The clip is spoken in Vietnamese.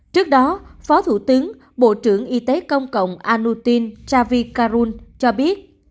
trước đó phó thủ tướng bộ trưởng y tế công cộng anutin javikarun cho biết